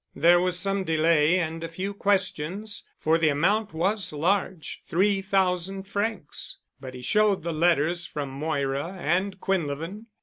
There was some delay and a few questions, for the amount was large—three thousand francs—but he showed the letters from Moira and Quinlevin.